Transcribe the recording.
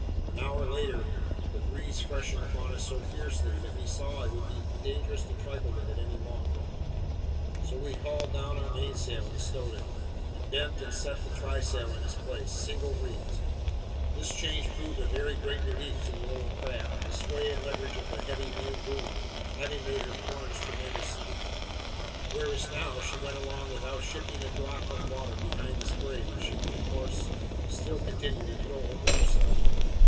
An hour later, the breeze freshened upon us so fiercely that we saw it would be dangerous to trifle with it any longer; so we hauled down our mainsail and stowed it; and bent and set the trysail in its place, single reefed. This change proved a very great relief to the little craft, the sway and leverage of the heavy main boom having made her plunge tremendously; whereas, now, she went along without shipping a drop of water beyond the spray which she of course still continued to throw over herself.